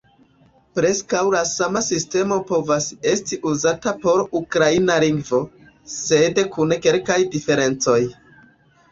Preskaŭ la sama sistemo povas esti uzata por ukraina lingvo, sed kun kelkaj diferencoj.